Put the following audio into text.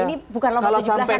ini bukan lomba tujuh belasan mbak